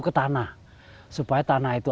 ke tanah supaya tanah itu